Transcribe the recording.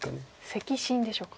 「石心」でしょうか。